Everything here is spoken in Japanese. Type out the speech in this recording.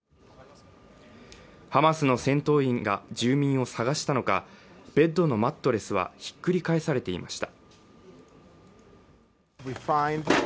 ハマスの戦闘員が住民を探したのかベッドのマットレスはひっくり返されていました。